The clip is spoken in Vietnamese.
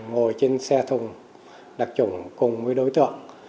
ngồi trên xe thùng đặc trủng cùng với đối tượng